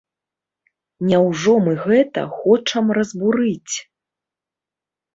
Няўжо мы гэта хочам разбурыць?